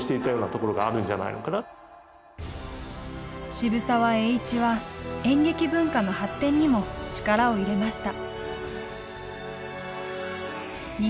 渋沢栄一は演劇文化の発展にも力を入れました。